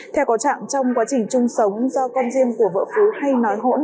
theo có trạng trong quá trình chung sống do con riêng của vợ phú hay nói hỗn